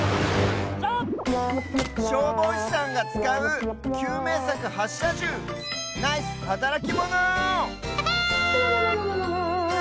しょうぼうしさんがつかうきゅうめいさくはっしゃじゅうナイスはたらきモノ！